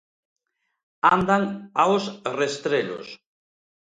Andan aos restrelos.